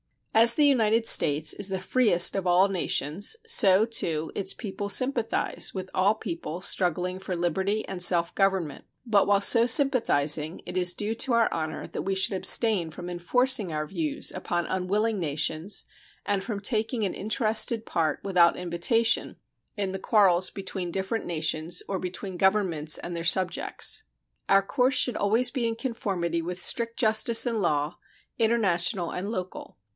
As the United States is the freest of all nations, so, too, its people sympathize with all people struggling for liberty and self government; but while so sympathizing it is due to our honor that we should abstain from enforcing our views upon unwilling nations and from taking an interested part, without invitation, in the quarrels between different nations or between governments and their subjects. Our course should always be in conformity with strict justice and law, international and local.